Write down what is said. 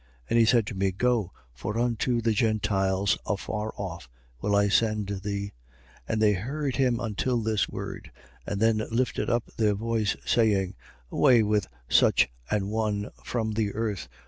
22:21. And he said to me: Go, for unto the Gentiles afar off will I send thee. 22:22. And they heard him until this word and then lifted up their voice, saying: Away with such an one from the earth.